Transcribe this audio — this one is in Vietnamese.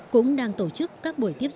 cũng đang tổ chức các buổi tiếp xúc